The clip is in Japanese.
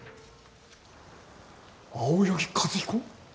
青柳和彦？